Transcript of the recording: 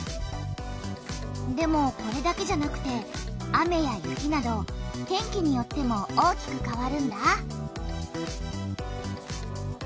でもこれだけじゃなくて雨や雪など天気によっても大きくかわるんだ。